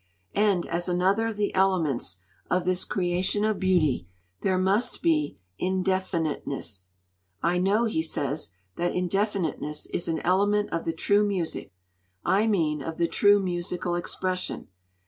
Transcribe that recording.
And, as another of the elements of this creation of beauty, there must be indefiniteness. 'I know,' he says, 'that indefiniteness is an element of the true music I mean of the true musical expression.